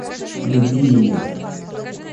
Люби ее.